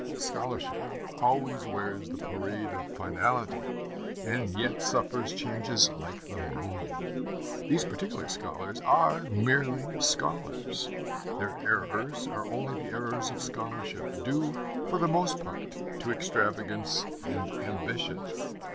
Scholarship always wears the parade of finality, and yet suffers changes like the moon. These particular scholars are merely scholars. Their errors are only the errors of scholarship, due, for the most part, to extravagance and ambition.